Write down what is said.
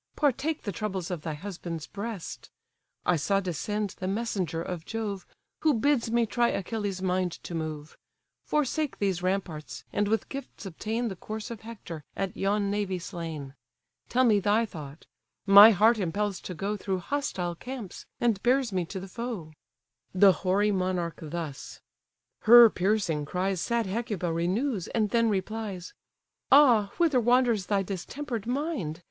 Partake the troubles of thy husband's breast: I saw descend the messenger of Jove, Who bids me try Achilles' mind to move; Forsake these ramparts, and with gifts obtain The corse of Hector, at yon navy slain. Tell me thy thought: my heart impels to go Through hostile camps, and bears me to the foe." The hoary monarch thus. Her piercing cries Sad Hecuba renews, and then replies: "Ah! whither wanders thy distemper'd mind?